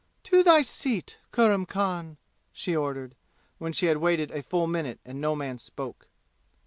"To thy seat, Kurram Khan!" she ordered, when she had waited a full minute and no man spoke.